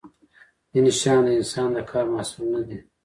ځینې شیان د انسان د کار محصول نه دي.